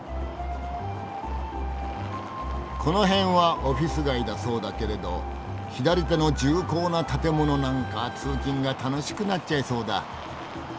この辺はオフィス街だそうだけれど左手の重厚な建物なんか通勤が楽しくなっちゃいそうだ。